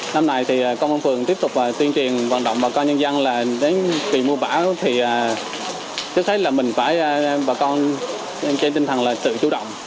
năm nay thì công an phường tiếp tục tuyên truyền vận động bà con nhân dân là đến kỳ mùa bão thì tôi thấy là mình phải bà con trên tinh thần là tự chủ động